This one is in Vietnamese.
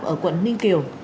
ở quận ninh kiều